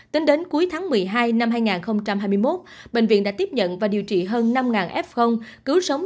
tính đến cuối tháng một mươi hai năm hai nghìn hai mươi một bệnh viện đã tiếp nhận và điều trị hơn năm f cứu sống